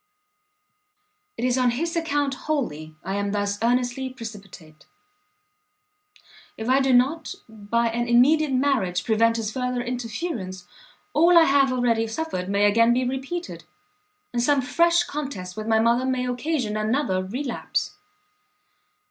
"It is on his account wholly I am thus earnestly precipitate. If I do not by an immediate marriage prevent his further interference, all I have already suffered may again be repeated, and some fresh contest with my mother may occasion another relapse."